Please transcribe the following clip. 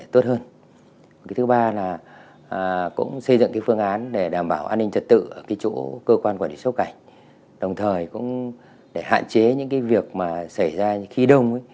tốt hơn thứ ba là cũng xây dựng phương án để đảm bảo an ninh trật tự ở chỗ cơ quan quản lý số cảnh đồng thời cũng để hạn chế những việc xảy ra khi đông